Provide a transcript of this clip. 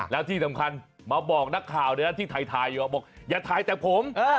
แล้วที่สำคัญมาบอกนักข่าวที่ถ่ายอยู่บอกอย่าถ่ายแต่ผม